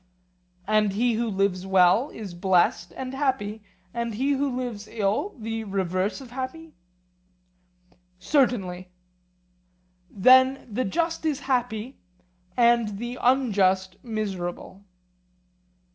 And he who lives well is blessed and happy, and he who lives ill the reverse of happy? Certainly. Then the just is happy, and the unjust miserable?